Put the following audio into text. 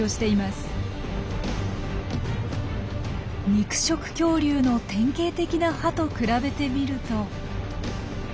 肉食恐竜の典型的な歯と比べてみると。